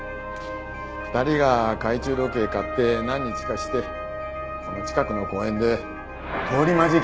２人が懐中時計を買って何日かしてこの近くの公園で通り魔事件が起こってね。